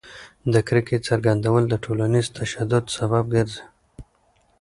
د کرکې څرګندول د ټولنیز تشدد سبب ګرځي.